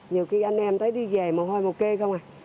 nhiều khi anh em thấy đi về mồ hôi một kê không à